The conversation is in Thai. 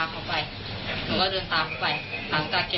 ของมันตกอยู่ด้านนอก